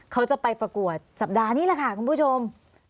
เขาจะไปประกวดสัปดาห์นี้แหละค่ะคุณผู้ชม